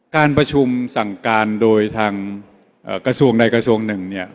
การประชุมสั่งการโดยทางกระทรวงใดกระทรวงหนึ่งเนี่ย